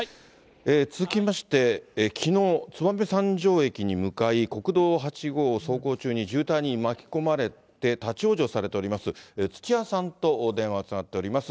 続きまして、きのう、燕三条駅に向かい、国道８号を走行中に渋滞に巻き込まれて立往生されております、土屋さんと電話がつながっております。